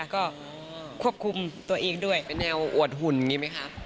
ก็ควบคุมตัวเองด้วยเป็นแนวอวดหุ่นอย่างนี้ไหมคะ